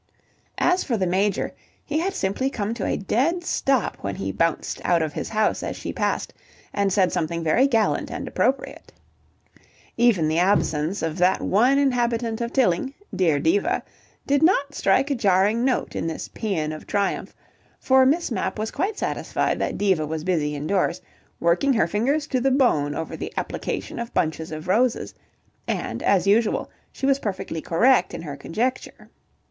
As for the Major, he had simply come to a dead stop when he bounced out of his house as she passed, and said something very gallant and appropriate. Even the absence of that one inhabitant of Tilling, dear Diva, did not strike a jarring note in this pæan of triumph, for Miss Mapp was quite satisfied that Diva was busy indoors, working her fingers to the bone over the application of bunches of roses, and, as usual, she was perfectly correct in her conjecture.